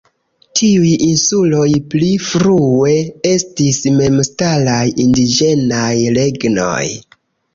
Tiuj insuloj pli frue estis memstaraj indiĝenaj regnoj.